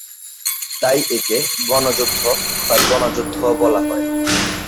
তাই একে 'গনযুদ্ধ' বা জনযুদ্ধও বলা হয়।